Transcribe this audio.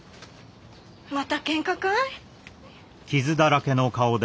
またけんかかい？